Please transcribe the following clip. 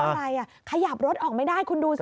เพราะอะไรขยับรถออกไม่ได้คุณดูสิ